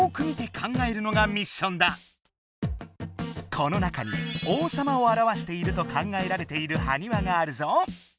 この中に王様を表していると考えられているはにわがあるぞ。